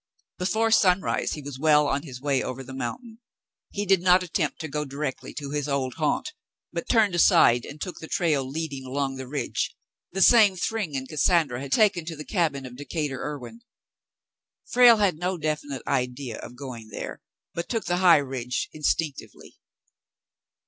Before sunrise he was well on his way over the mountain. He did not attempt to go directly to his old haunt, but turned aside and took the trail leading along the ridge — the same Thryng and Cassandra had taken to go to the cabin of Decatur Irwin. Frale had no definite idea of going there, but took the high ridge instinctively.